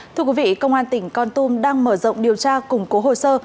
thưa quý vị công an tỉnh con tum đang mở rộng điều tra củng cố hồ sơ